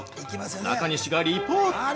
中西がリポート。